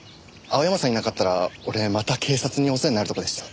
青山さんいなかったら俺また警察にお世話になるとこでした。